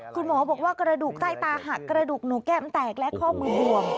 คุณหมอบอกว่ากระดูกใต้ตาหักกระดูกหนูแก้มแตกและข้อมือบวม